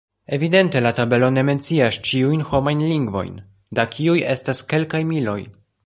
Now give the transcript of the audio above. Evidente la tabelo ne mencias ĉiujn homajn lingvojn, da kiuj estas kelkaj miloj.